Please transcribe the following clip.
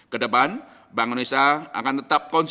kedepan bank indonesia akan tetap konsis